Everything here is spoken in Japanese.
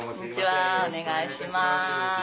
お願いします。